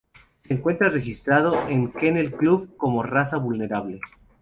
Se encuentra registrado en The Kennel Club como raza vulnerable.